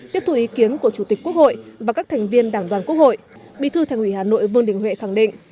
tiếp thủ ý kiến của chủ tịch quốc hội và các thành viên đảng đoàn quốc hội bị thư thành hủy hà nội vương đình huệ khẳng định